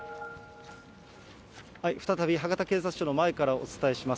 再び、博多警察署の前からお伝えします。